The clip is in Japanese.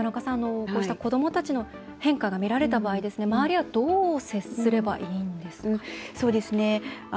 こうした子どもたちの変化が見られた場合、周りはどう接すればいいんでしょうか。